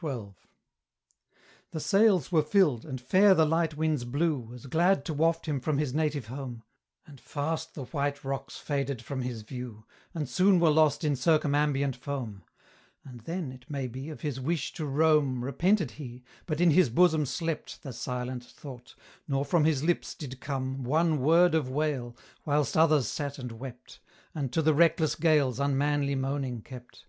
XII. The sails were filled, and fair the light winds blew As glad to waft him from his native home; And fast the white rocks faded from his view, And soon were lost in circumambient foam; And then, it may be, of his wish to roam Repented he, but in his bosom slept The silent thought, nor from his lips did come One word of wail, whilst others sate and wept, And to the reckless gales unmanly moaning kept.